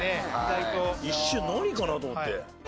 一瞬何かな？と思って。